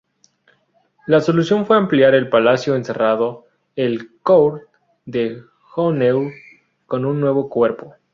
La solución fue ampliar el palacio encerrando el "cour d'honneur" con un nuevo cuerpo.